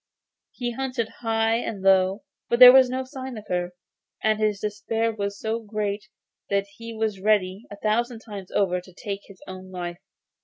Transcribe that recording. He hunted high and low, but there was no sign of her, and his despair was so great that he was ready, a thousand times over, to take his own life.